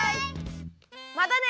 またね！